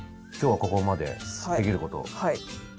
はい。